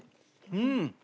うん！